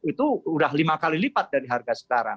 itu sudah lima kali lipat dari harga sekarang